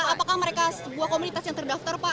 apakah mereka sebuah komunitas yang terdaftar pak